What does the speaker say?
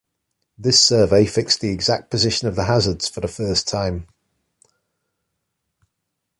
This survey fixed the exact position of the hazards for the first time.